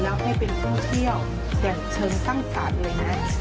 เอามาแก้ไขแล้วให้เป็นภูเที่ยวอย่างเชิงตั้งสารเลยนะ